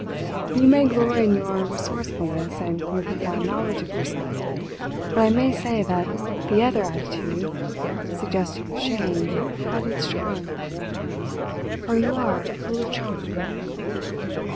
You may glory in your resourcefulness and your profound knowledge of yourself; but I may say that the other attitude, suggestive of shame, had its charm. For you are full of charm!"